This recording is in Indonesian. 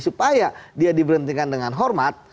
supaya dia diberhentikan dengan hormat